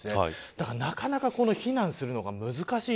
だからなかなか避難するのが難しい。